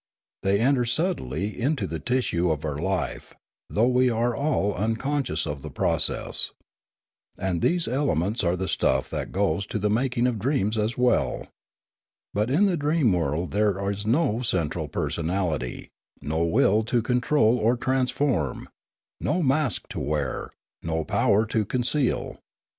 They enter subtly into the tissue of our life, though we are all unconscious of the process. And these elements are the stuff that goes to the mak ing of dreams as well. But in the dream world there is no central personality, no will to control or trans form, no mask to wear, no power to conceal.